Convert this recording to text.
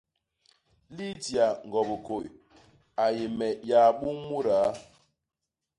Lydia ñgo Bikôi a yé me yaabum mudaa.